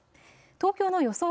東京の予想